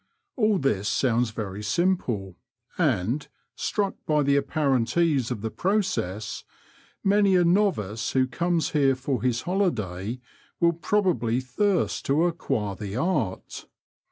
All this sounds very simple, and, struck by the apparent ease of the process, mauy a novice who comes here for his holiday will probably thirst to acquire the art.